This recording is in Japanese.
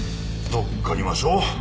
乗っかりましょう。